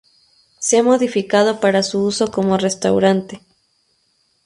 Se ha modificado para su uso como restaurante.